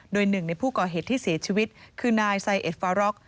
โดยหนึ่งในผู้ก่อเหตุที่เสียชีวิตคือนายไซเอสฟาร็อก